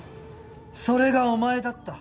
それがお前だった。